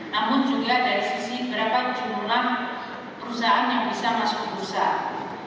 namun juga dari sisi berapa jumlah perusahaan yang bisa masuk perusahaan